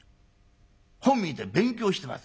『本見て勉強してます』。